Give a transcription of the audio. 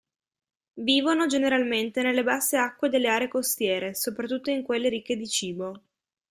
Vivono generalmente nelle basse acque delle aree costiere, soprattutto in quelle ricche di cibo.